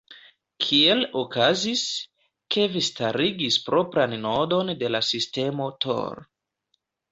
Kiel okazis, ke vi starigis propran nodon de la sistemo Tor?